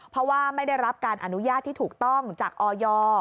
เพราะว่าไม่ได้รับการอนุญาตที่ถูกต้องจากออย